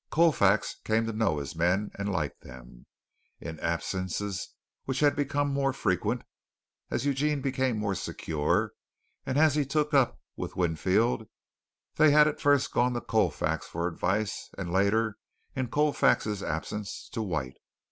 Colfax came to know his men and like them. In absences which had become more frequent, as Eugene became more secure, and as he took up with Winfield, they had first gone to Colfax for advice, and later, in Colfax's absence, to White.